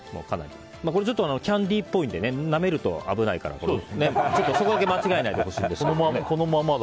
ちょっとキャンディーっぽいのでなめると危ないからちょっとそこだけ間違えないでほしいですね。